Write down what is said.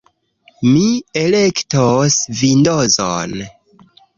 Mi elektos Vindozon.